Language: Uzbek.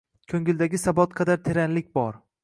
Ko’ngildagi sabot qadar teranlik bor.